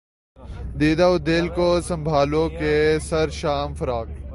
دیدہ و دل کو سنبھالو کہ سر شام فراق